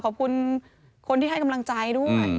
ขอบคุณคนที่ให้กำลังใจด้วย